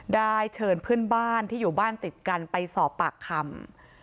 ได้เชิญเพื่อนบ้านที่อยู่บ้านติดกันไปสอบปากคำ